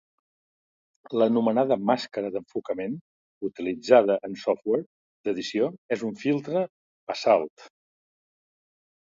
L'anomenada màscara d'enfocament utilitzada en software d'edició és un filtre passaalt.